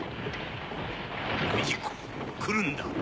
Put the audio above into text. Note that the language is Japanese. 不二子来るんだ！